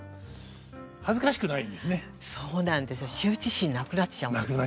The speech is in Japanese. そうなんですよ羞恥心なくなっちゃうんですよ。